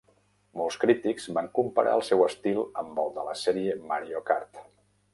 Molts crítics van comparar el seu estil amb el de la sèrie "Mario Kart".